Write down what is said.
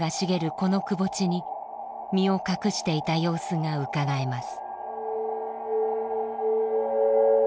このくぼ地に身を隠していた様子がうかがえます。